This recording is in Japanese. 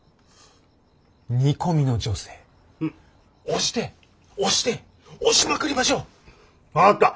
煮込みの女性押して押して押しまくりましょう。分かった。